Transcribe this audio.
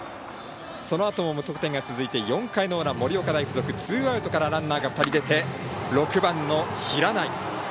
そのあとも無得点が続いて４回の裏盛岡大付属、ツーアウトからランナーが２人出て６番の平内。